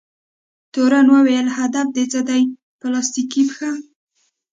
تورن وویل: هدف دې څه دی؟ پلاستیکي پښه؟